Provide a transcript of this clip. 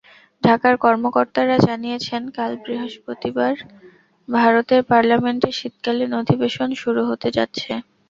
ঢাকার কর্মকর্তারা জানিয়েছেন, কাল বৃহস্পতিবার ভারতের পার্লামেন্টের শীতকালীন অধিবেশন শুরু হতে যাচ্ছে।